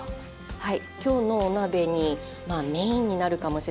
はい。